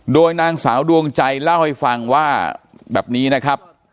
โดยนางสาวดวงใจเล่าให้ฟังว่าแบบนี้นะครับ